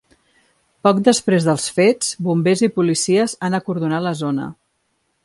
Poc després dels fets, bombers i policies han acordonat la zona.